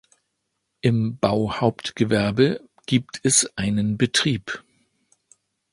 Im Bauhauptgewerbe gibt es einen Betrieb.